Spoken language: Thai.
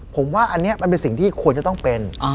ผมว่าอันนี้มันเป็นสิ่งที่ควรจะต้องเป็น